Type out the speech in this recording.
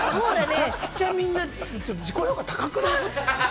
めちゃくちゃみんな、自己評価高くない？